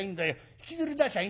引きずり出しゃいいんだ。